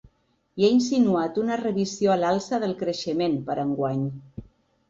I ha insinuat una revisió a l’alça del creixement per a enguany.